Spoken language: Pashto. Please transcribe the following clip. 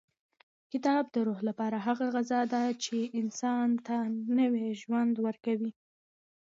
کتاب د روح لپاره هغه غذا ده چې انسان ته نوی ژوند ورکوي.